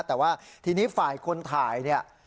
แต่ว่าทีนี้ฝ่ายคนถ่ายเนี่ย